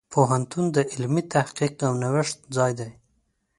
پوهنتون د علمي تحقیق او نوښت ځای دی.